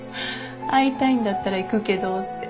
会いたいんだったら行くけどって。